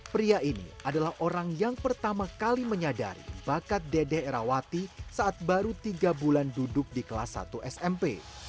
pria ini adalah orang yang pertama kali menyadari bakat dede erawati saat baru tiga bulan duduk di kelas satu smp